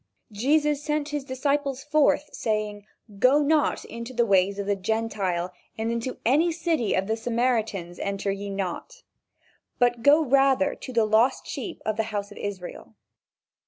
Jesus sent his disciples forth saying: "Go not into the way of the Gentiles, and into any city of the Samaritans enter ye not, but go rather to the lost sheep of the house of Israel."